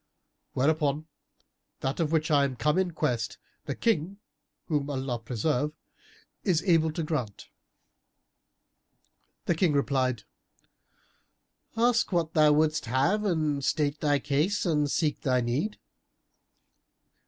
Wherefore, that of which I am come in quest, the King (whom Allah preserve!) is able to grant." The King replied, "Ask what thou wouldst have, and state thy case and seek thy need."